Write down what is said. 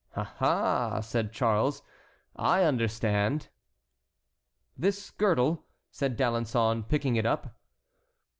"Ah! ah!" said Charles, "I understand." "This girdle"—said D'Alençon, picking it up.